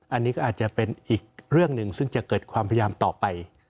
อันนี้ก็อาจจะเป็นอีกเรื่องหนึ่งซึ่งจะเกิดความพยายามต่อไป